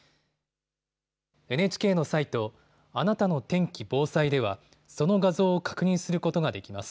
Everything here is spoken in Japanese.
ＮＨＫのサイトあなたの天気・防災ではその画像を確認することができます。